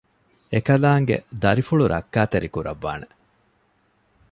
އެކަލާނގެ ދަރިފުޅު ރައްކާތެރި ކުރައްވާނެ